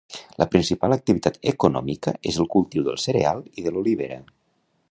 La principal activitat econòmica és el cultiu del cereal i de l'olivera.